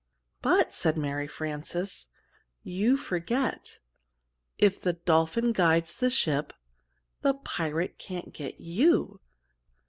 "But," said Mary Frances, "you forget if the dolphin guides the ship, the pirate can't get you!"